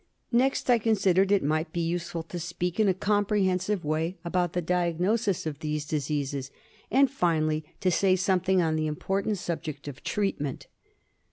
Next I considered it might be useful to speak in a comprehensive way about the diagnosis of these dise^ases; and, finally, to say something on the important subject of treatment.